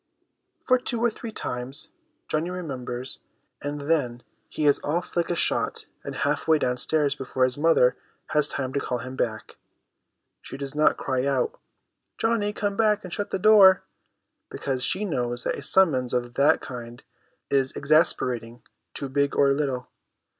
For two or three times Johnny remembers; and then, he is off like a shot and half way downstairs before his mother has time to call him back. She does not cry out, ' Johnny, come back and shut the door !' because she knows that a summons of that kind is exasperating to big or little.